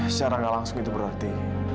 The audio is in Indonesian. secara nggak langsung itu berarti